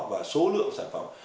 và số lượng sản phẩm